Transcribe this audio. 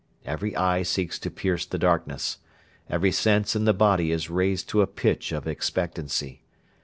Every eye seeks to pierce the darkness. Every sense in the body is raised to a pitch of expectancy.